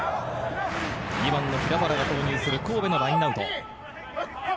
２番の平原が投入する、神戸のラインアウト。